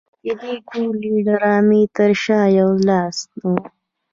د دې ټولې ډرامې تر شا یو لاس و